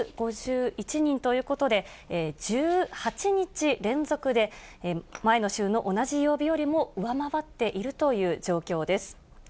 １５１人ということで、１８日連続で前の週の同じ曜日よりも上回っているという状況です。